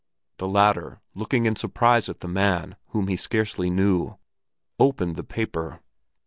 The latter, looking in surprise at the man, whom he scarcely knew, opened the paper.